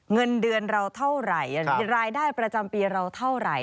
เงินเดือนเราเท่าไหร่รายได้ประจำปีเราเท่าไหร่